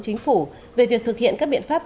chính phủ về việc thực hiện các biện pháp